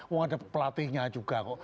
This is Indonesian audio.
wah ada pelatihnya juga kok